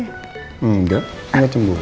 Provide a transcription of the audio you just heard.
engga ga cemburu